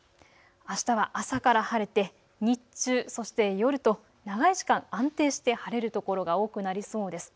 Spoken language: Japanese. あしたは朝から晴れて日中、そして夜と長い時間、安定して晴れる所が多くなりそうです。